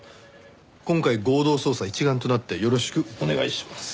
今回合同捜査一丸となってよろしくお願いします。